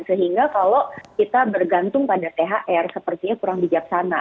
sehingga kalau kita bergantung pada thr sepertinya kurang bijaksana